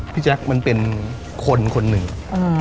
แจ๊คมันเป็นคนคนหนึ่ง